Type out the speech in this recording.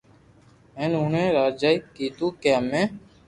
ھين اوڻي راجائي ڪآدو ڪي ھمي